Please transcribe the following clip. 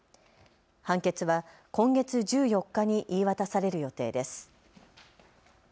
判決は今月１４日に言い渡される予定です。